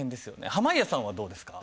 濱家さんはどうですか？